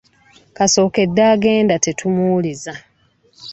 Kasokedde agenda tetumuwulizanga.